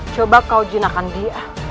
coba kau jenakan dia